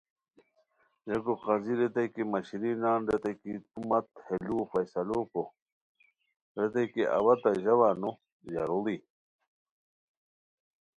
ریکو قاضی ریتائے کی مہ شیرین نان ریتائے کی تو مت ہے لوؤ فیصلو کو ریتائے کی اوا تہ ژاوا نو ژاروڑی؟